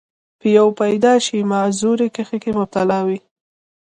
پۀ يو پېدائشي معذورۍ کښې مبتلا وي،